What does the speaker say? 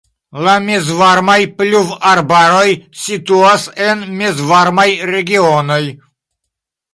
La mezvarmaj pluvarbaroj situas en mezvarmaj regionoj.